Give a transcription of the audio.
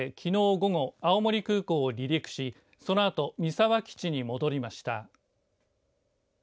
午後青森空港を離陸しそのあと三沢基地に戻りました。